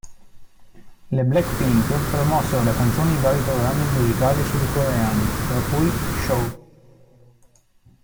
Le Blackpink promossero la canzone in vari programmi musicali sudcoreani, tra cui "Show!